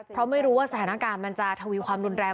เพราะไม่รู้ว่าสถานการณ์มันจะทวีความรุนแรง